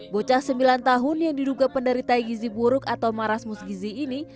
bocah sembilan tahun yang diduga penderita gizi buruk atau marasmus gizi ini